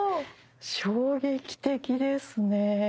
衝撃的ですね。